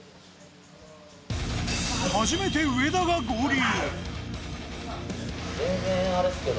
初めて上田が合流。